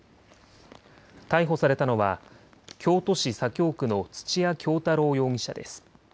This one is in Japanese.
逮捕されたのは、京都市左京区の土屋京多郎容疑者です。